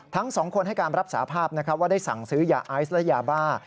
ทั้งสองคนให้การรับสาภาพว่าได้สั่งซื้อยาไอซ์และยาบ้า